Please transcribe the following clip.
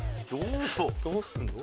どうすんの？